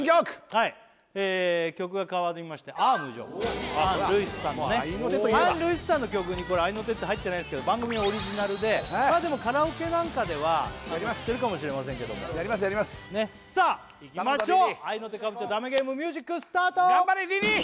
はい曲が変わりましてもう合いの手といえばアン・ルイスさんの曲にこれ合いの手って入ってないですけど番組オリジナルでまあでもカラオケなんかではあります知ってるかもしれませんけどもやりますやりますさあいきましょう合いの手かぶっちゃダメゲームミュージックスタート頑張れリリー！